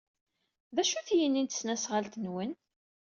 D acu-t yini n tesnasɣalt-nwen?